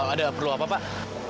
ada perlu apa pak